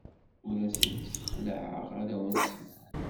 Ur asen-ssexlaɛeɣ arraw-nsen.